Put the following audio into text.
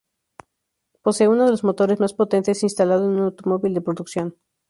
Posee uno de los motores más potentes instalado en un automóvil de producción.